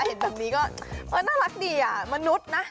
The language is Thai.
เห็นแบบนี้ก็น่ารักดีอ่ะมนุษย์นะ